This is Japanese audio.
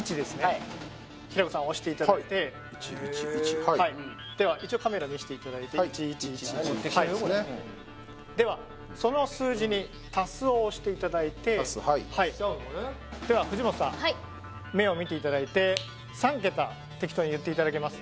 はい平子さん押していただいてはい１１１はいでは一応カメラ見せていただいて１１１ではその数字に足すを押していただいて足すはいでは藤本さん目を見ていただいて３桁適当に言っていただけます？